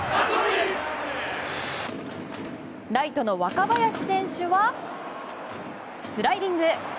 ライトの若林選手はスライディング。